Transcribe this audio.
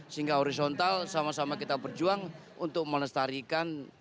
sehingga horizontal sama sama kita berjuang untuk melestarikan